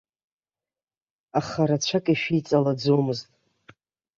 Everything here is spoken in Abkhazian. Аха рацәак ишәиҵалаӡомызт.